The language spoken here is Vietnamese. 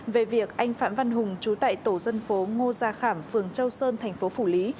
về việc anh phạm văn hùng chú tại tổ dân phố ngô gia khảm phường châu sơn thành phố phủ lý